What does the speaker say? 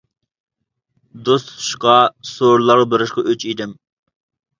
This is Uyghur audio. دوست تۇتۇشقا، سورۇنلارغا بېرىشقا ئۆچ ئىدىم.